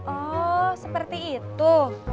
oh seperti itu